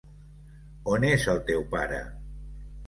On és el teu pare?